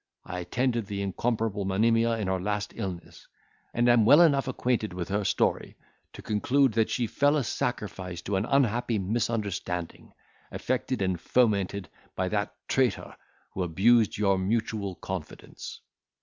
I attended the incomparable Monimia in her last illness, and am well enough acquainted with her story to conclude that she fell a sacrifice to an unhappy misunderstanding, effected and fomented by that traitor who abused your mutual confidence."